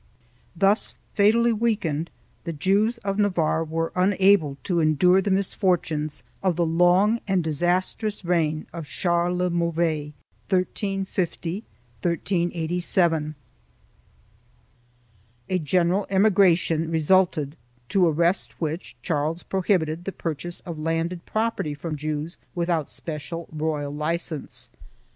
Thus fatally weak ened, the Jews of Navarre were unable to endure the misfor tunes of the long and disastrous reign of Charles le Mauvais (1350 1387). A general emigration resulted, to arrest which Charles prohibited the purchase of landed property from Jews without special royal license.